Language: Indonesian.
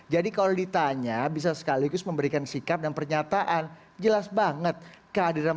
jadi kalau ditanya bisa sekaligus memberikan sikap dan pernyataan jelas banget kehadiran